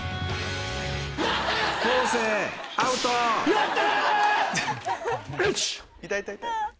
やった！